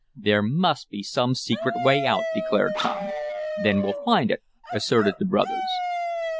"There must be some secret way out," declared Tom. "Then we'll find it," asserted the brothers.